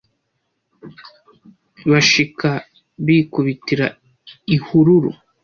Bashika bikubitira ihururu,